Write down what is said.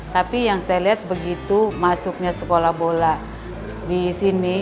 tapi yang saya lihat begitu masuknya sekolah bola di sini